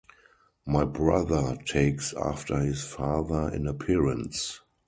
My brother takes after his father in appearance.